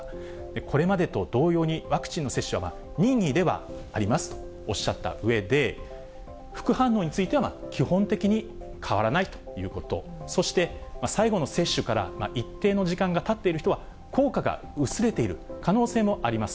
これまでと同様に、ワクチンの接種は任意ではありますとおっしゃったうえで、副反応については基本的に変わらないということ、そして、最後の接種から一定の時間がたっている人は、効果が薄れている可能性もあります。